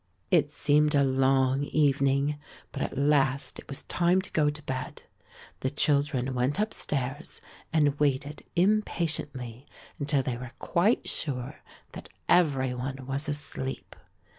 It seemed a long evening, but at last it was time to go to bed. The children went upstairs and waited impatiently until they were quite sure that every one was asleep.